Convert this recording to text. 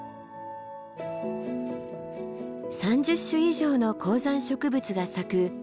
３０種以上の高山植物が咲く